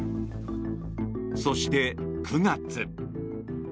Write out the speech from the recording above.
そして、９月。